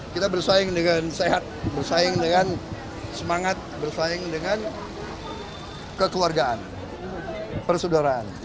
kita bersaing dengan sehat bersaing dengan semangat bersaing dengan kekeluargaan persaudaraan